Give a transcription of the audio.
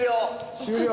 終了！